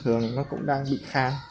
thường nó cũng đang bị khan